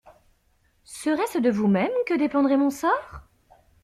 Serait-ce de vous-même que dépendrait mon sort?